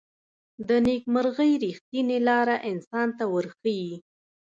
د نیکمرغۍ ریښتینې لاره انسان ته ورښيي.